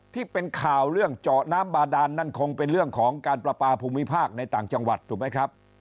ที่เป็นข่าวเรื่องเจาะน้ำบาดานนั่นคงเป็นเรื่องของการประปาภูมิภาคในต่างจังหวัดถูกไหมครับ